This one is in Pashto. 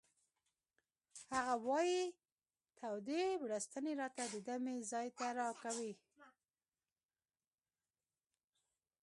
هغه وایی تودې بړستنې راته د دمې ځای نه راکوي